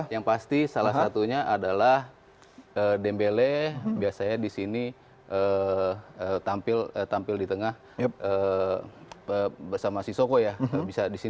yang pasti salah satunya adalah dembele biasanya disini tampil di tengah bersama shishoko ya